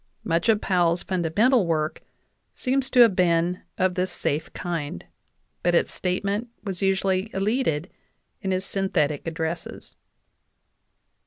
Much of Powell's fundamental work seems to have been of this safe kind, but its statement was usually elided in his synthetic addresses.